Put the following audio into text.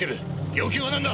要求は何だ！？